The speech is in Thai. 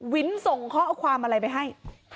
วินส่งข้อความอะไรไปให้